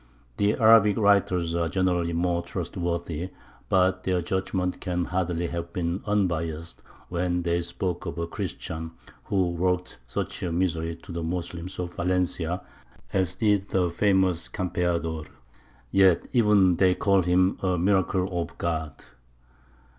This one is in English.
The Arabic writers are generally more trustworthy, but their judgment can hardly have been unbiassed when they spoke of a Christian who worked such misery to the Moslems of Valencia as did the famous Campeador. Yet even they call him a "miracle of God."